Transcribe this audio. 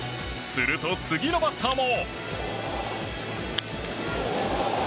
すると、次のバッターも。